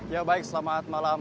ya baik selamat malam